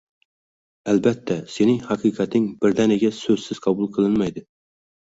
Albatta, sening haqiqating birdaniga, soʻzsiz qabul qilinmaydi